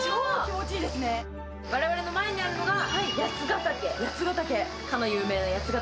・我々の前にあるのが八ヶ岳かの有名な八ヶ岳・